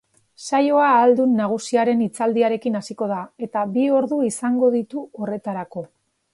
Saioa ahaldun nagusiaren hitzaldiarekin hasiko da, eta bi ordu izango ditu horretarako.